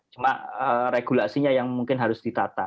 cuma regulasinya yang mungkin harus ditata